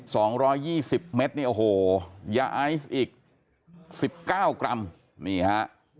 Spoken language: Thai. สองร้อยยี่สิบเมตรนี่โอ้โหยาไอซ์อีกสิบเก้ากรัมนี่ฮะ